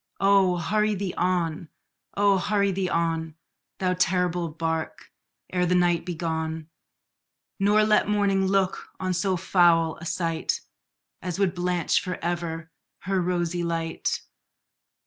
Oh! hurry thee on oh! hurry thee on, Thou terrible bark, ere the night be gone, Nor let morning look on so foul a sight As would blanch for ever her rosy light!